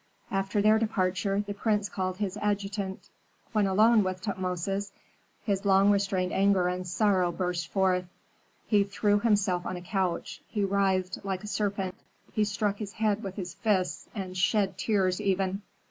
After their departure the prince called his adjutant. When alone with Tutmosis, his long restrained anger and sorrow burst forth. He threw himself on a couch; he writhed like a serpent, he struck his head with his fists, and shed tears even.